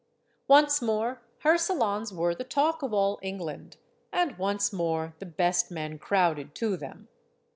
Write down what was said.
Once more her salons were the talk of all England, and once more the best men crowded to them.